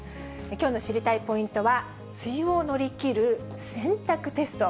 きょうの知りたいポイントは、梅雨を乗り切る洗濯テスト。